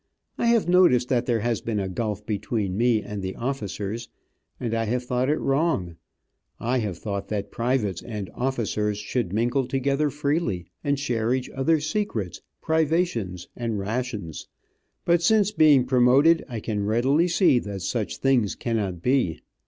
I have noticed that there has been a gulf between me and the officers, and I have thought it wrong. I have thought that privates and officers should mingle together freely, and share each others secrets, privations and rations. But since being promoted I can readily see that such things cannot be.